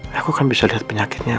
aku kan bisa lihat penyakitnya